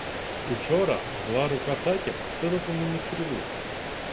— Учора зла рука татя пустила по мені стрілу.